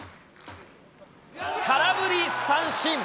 空振り三振。